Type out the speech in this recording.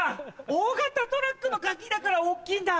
大型トラックの鍵だから大っきいんだ。